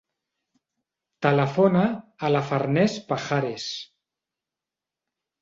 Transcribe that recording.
Telefona a la Farners Pajares.